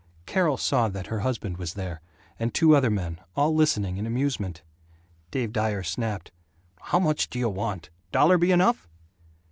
Carol saw that her husband was there, and two other men, all listening in amusement. Dave Dyer snapped, "How much do you want? Dollar be enough?"